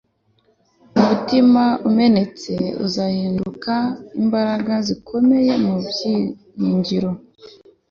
umutima umenetse uzahinduka imbaraga zikomeye mu byiringiro